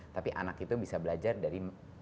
tapi anak itu bisa belajar dari berbagai macam sulit